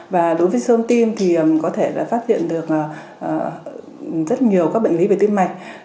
và đối với siêu âm tim thì có thể phát hiện được rất nhiều các bệnh lý về tim mạch